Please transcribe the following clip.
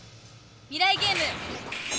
「未来ゲーム」！